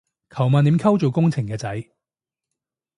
求問點溝做工程嘅仔